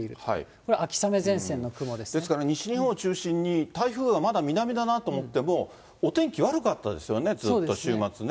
これ、ですから西日本を中心に、台風はまだ南だなと思っても、お天気悪かったですよね、ずーっと週末ね。